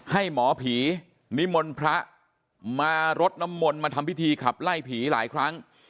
ให้หมอผีนิมนต์พระมารดน้ำมนต์มาทำพิธีขับไล่ผีหลายครั้ง